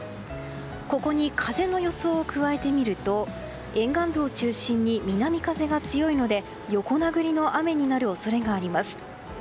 ここに風の予想を加えてみると沿岸部を中心に南風が強いので横殴りの雨になる恐れがあります。